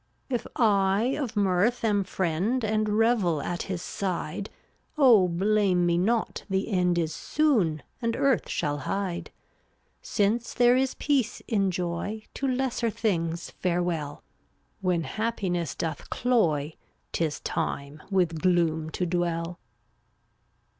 3 50 If I of Mirth am friend And revel at his side, Oh, blame me not, the end Is soon, and earth shall hide. Since there is peace in joy, To lesser things farewell; When happiness doth cloy 'Tis time with Gloom to dwell.